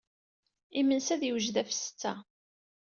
Imensi ad d-yewjed ɣef ssetta.